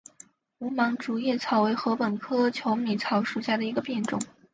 无芒竹叶草为禾本科求米草属下的一个变种。